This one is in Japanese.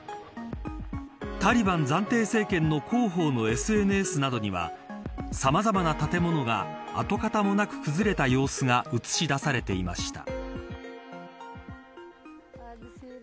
タリバン暫定政権の広報のＳＮＳなどにはさまざまな建物が跡形もなく崩れた様子が映し出されていました。